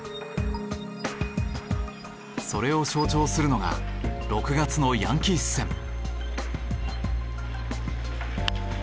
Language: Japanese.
それを象徴するのが６月のヤンキース戦。